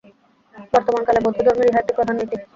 বর্তমানকালে বৌদ্ধধর্মের ইহা একটি প্রধান নীতি।